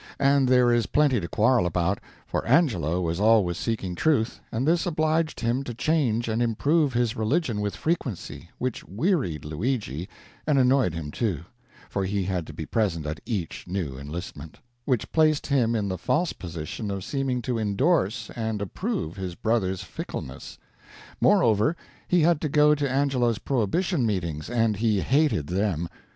And there is plenty to quarrel about, for Angelo was always seeking truth, and this obliged him to change and improve his religion with frequency, which wearied Luigi, and annoyed him too; for he had to be present at each new enlistment which placed him in the false position of seeming to indorse and approve his brother's fickleness; moreover, he had to go to Angelo's prohibition meetings, and he hated them.